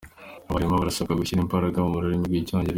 Abarimu barasabwa gushyira imbaraga mu rurimi rw’Icyongereza